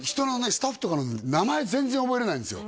スタッフとかの名前全然覚えられないんですよ